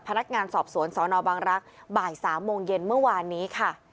พนักงานสอบสวนสนบังรักษ์บ่าย๓โมงเย็นเมื่อวานนี้ค่ะ